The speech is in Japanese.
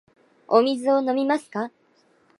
お水を飲みますか。